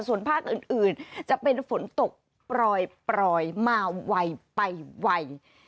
ส่วนภาคอื่นจะเป็นฝนตกปล่อยมาไวไปไว